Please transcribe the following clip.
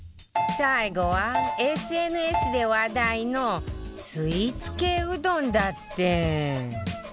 最後は、ＳＮＳで話題のスイーツ系うどんだって！